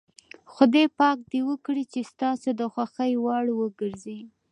خدای پاک دې وکړي چې ستاسو د خوښې وړ وګرځي.